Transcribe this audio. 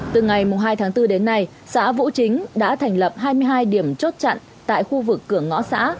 từ ngày hai tháng bốn đến nay xã vũ chính đã thành lập hai mươi hai điểm chốt chặn tại khu vực cửa ngõ xã